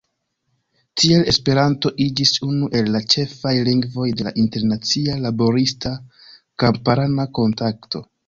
Tiel Esperanto iĝis unu el la ĉefaj lingvoj de la internacia laborista-kamparana kontakto.